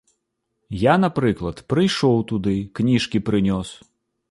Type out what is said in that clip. Я, напрыклад, прыйшоў туды, кніжкі прынёс.